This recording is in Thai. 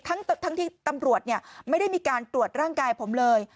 ทั้งที่ตำรวจไม่ได้มีการตรวจร่างกายผมเลย